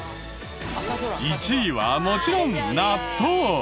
１位はもちろん納豆。